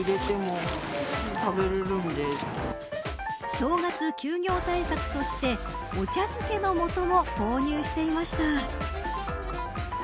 正月休業対策としてお茶漬けのもとも購入していました。